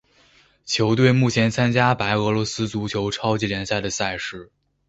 球队目前参加白俄罗斯足球超级联赛的赛事。